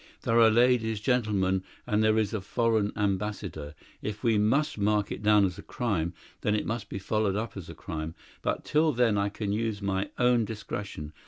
There are ladies, gentlemen, and there is a foreign ambassador. If we must mark it down as a crime, then it must be followed up as a crime. But till then I can use my own discretion.